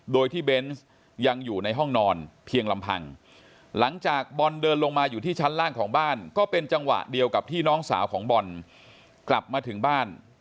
โดยที่เบนส์ยังอยู่ในห้องนอนเพียงลำพังหลังจากบอลเดินลงมาอยู่ที่ชั้นล่างของบ้านก็เป็นจังหวะเดียวกับที่น้องสาวของบอลกลับมาถึงบ้าน